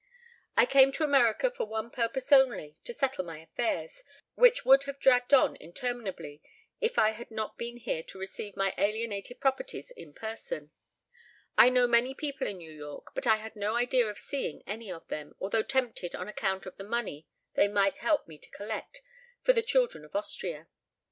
I came to America for one purpose only, to settle my affairs, which would have dragged on interminably if I had not been here to receive my alienated properties in person. I know many people in New York, but I had no idea of seeing any of them, although tempted on account of the money they might help me to collect for the children of Austria.